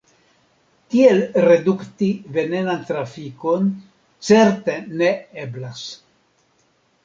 Tiel redukti venenan trafikon certe ne eblas.